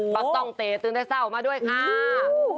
ปะส้องเต๋ตื้นได้เศร้ามาด้วยค่ะ